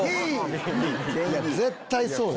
絶対そう！